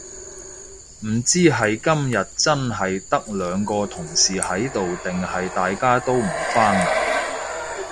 唔知係今日真係得兩個同事喺度定係大家都唔返嚟